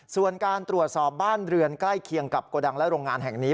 ส่วนการตรวจสอบบ้านเรือนใกล้เคียงกับโกดังและโรงงานแห่งนี้